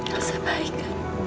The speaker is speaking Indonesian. elsa baik kan